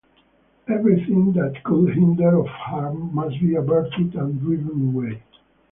Everything that could hinder or harm must be averted and driven away.